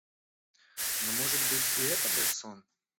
Но, может быть, и это был сон?